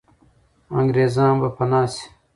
انګریزان به پنا سي.